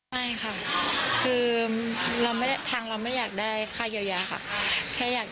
ไม่ค่ะคือทางเราไม่อยากได้ค่าเยียวยาค่ะ